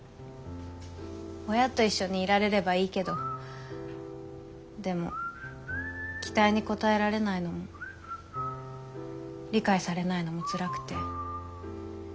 親と一緒にいられればいいけどでも期待に応えられないのも理解されないのもつらくて。